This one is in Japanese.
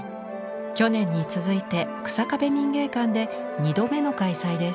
去年に続いて日下部民藝館で２度目の開催です。